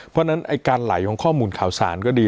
เพราะฉะนั้นไอ้การไหลของข้อมูลข่าวสารก็ดี